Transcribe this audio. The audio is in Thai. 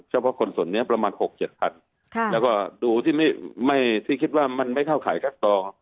เฉพาะคนส่วนนี้ประมาณ๖๗คันแล้วก็ดูที่คิดว่ามันไม่เข้าข่ายคัดกรอง